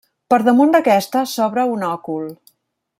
Per damunt d'aquesta s'obre un òcul.